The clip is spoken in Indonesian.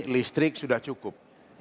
listrik sudah cukup